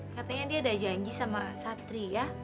katanya dia udah janji sama satria